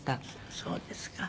そうですか。